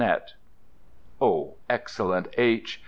net." O excellent H!